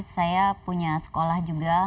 saya punya sekolah juga